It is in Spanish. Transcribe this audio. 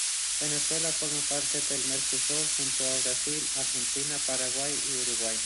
Venezuela forma parte del Mercosur junto a Brasil, Argentina, Paraguay y Uruguay.